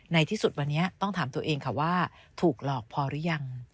ในที่สุดวันนี้ต้องถามตัวเองค่ะว่าถูกหลอกพอหรือยัง